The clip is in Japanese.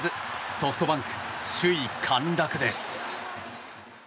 ソフトバンク、首位陥落です。